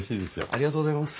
ありがとうございます。